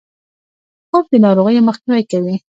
خوب د ناروغیو مخنیوی کوي